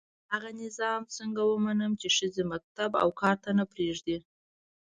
هغه نظام څنګه ومنم چي ښځي مکتب او کار ته نه پزېږدي